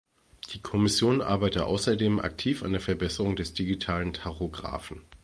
Die Kommission arbeitet außerdem aktiv an der Verbesserung des digitalen Tachographen.